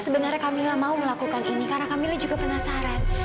sebenarnya kamila mau melakukan ini karena kamila juga penasaran